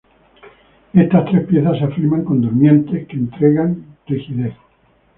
Estas tres piezas se afirman con durmientes, que entregan rigidez.